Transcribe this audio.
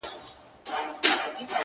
• یوه ژبه یې ویل د یوه اېل وه,